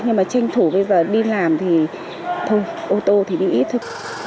nhưng mà tranh thủ bây giờ đi làm thì thôi ô tô thì đi ít thôi